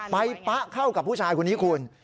ป๊ะเข้ากับผู้ชายคนนี้คุณ